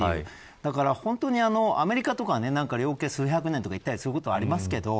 だから、本当にアメリカとかは量刑が数百年とかあったりそういうことありますけど。